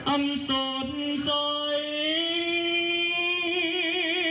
อันสดใส